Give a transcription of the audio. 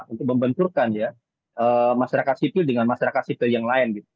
untuk membenturkan ya masyarakat sipil dengan masyarakat sipil yang lain